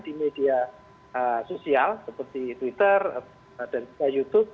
di media sosial seperti twitter dan juga youtube